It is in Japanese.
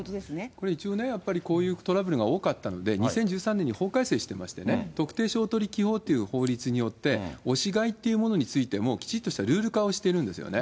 これ一応ね、やっぱりこういうトラブルが多かったので、２０１３年に法改正してましてね、特定商取引法っていう法律によって、押し買いっていうものについてもきちっとしたルール化をしてるんですよね。